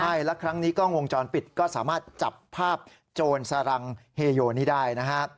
ใช่และครั้งนี้กล้องวงจรปิดก็สามารถจับภาพโจรสรังเฮโยนี้ได้นะฮะ